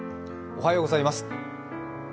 おはようございます。